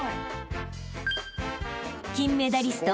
［金メダリスト］